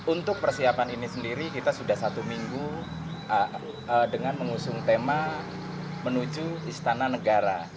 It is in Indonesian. untuk persiapan ini sendiri kita sudah satu minggu dengan mengusung tema menuju istana negara